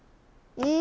うん？